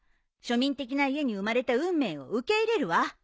庶民的な家に生まれた運命を受け入れるわ。